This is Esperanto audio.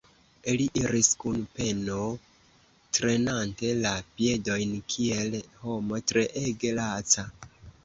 Li iris kun peno, trenante la piedojn, kiel homo treege laca.